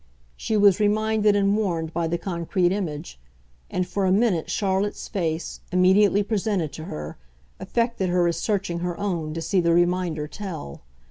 She was reminded and warned by the concrete image; and for a minute Charlotte's face, immediately presented to her, affected her as searching her own to see the reminder tell.